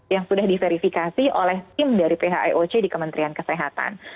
yang sudah diverifikasi oleh tim dari phioc di kementerian kesehatan